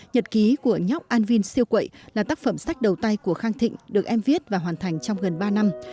nhật ký của nhóc anvin siêu quẩy là tác phẩm sách đầu tay của khang thịnh được em viết và hoàn thành trong gần ba năm